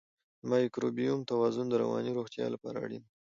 د مایکروبیوم توازن د رواني روغتیا لپاره اړین دی.